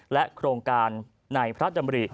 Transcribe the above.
โครงการในพระดำริ